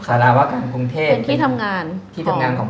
เป็นที่ทำงานของ